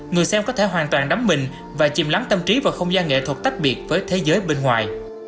người xem có thể hoàn toàn đắm mình và chìm lắng tâm trí vào không gian nghệ thuật tách biệt với thế giới bên ngoài